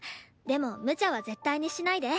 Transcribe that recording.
でもむちゃは絶対にしないで。